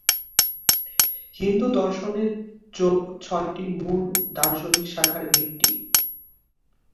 হিন্দু দর্শনে যোগ ছয়টি মূল দার্শনিক শাখার একটি।